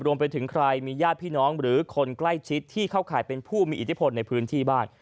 รวมไปถึงใครมีญาติพี่น้องหรือคนใกล้ชิดที่เข้าข่ายเป็นผู้มีอิทธิพลในพื้นที่บ้าง